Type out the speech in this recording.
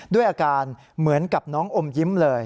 ด้วยอาการเหมือนกับน้องอมยิ้มเลย